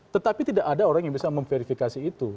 tetapi tidak ada orang yang bisa memverifikasi itu